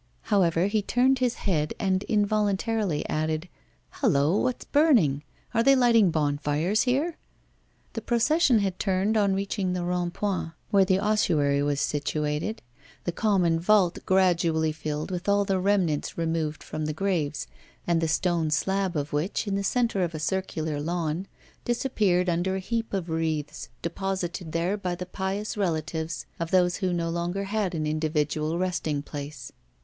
However, he turned his head, and involuntarily added: 'Hallo! what's burning? Are they lighting bonfires here?' The procession had turned on reaching the Rond Point, where the ossuary was situated the common vault gradually filled with all the remnants removed from the graves, and the stone slab of which, in the centre of a circular lawn, disappeared under a heap of wreaths, deposited there by the pious relatives of those who no longer had an individual resting place.